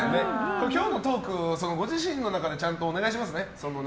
今日のトーク、ご自身の中でちゃんとお願いしますね